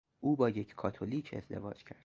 او با یک کاتولیک ازدواج کرد.